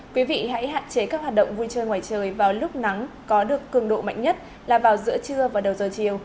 quý vị hãy hạn chế các hoạt động vui chơi ngoài trời vào lúc nắng có được cường độ mạnh nhất là vào giữa trưa và đầu giờ chiều